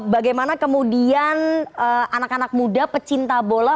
bagaimana kemudian anak anak muda pecinta bola